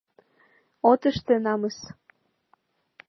От ыште — намыс!